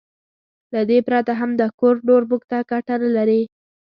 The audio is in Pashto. له دې پرته هم دا کور نور موږ ته ګټه نه لري.